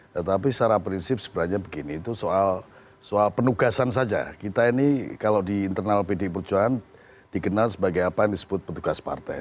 tetapi secara prinsip sebenarnya begini itu soal penugasan saja kita ini kalau di internal pdi perjuangan dikenal sebagai apa yang disebut petugas partai